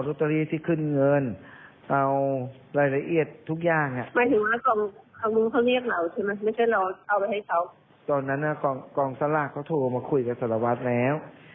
ไม่ใช่ทำไม่ถูกหากทำแล้วถูกแล้ว